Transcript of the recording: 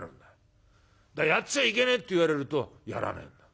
だから『やっちゃいけねえ』って言われるとやられんだ。